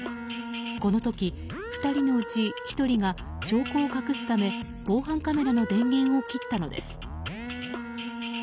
この時、２人のうち１人が証拠を隠すため防犯カメラの電源を切ったのです。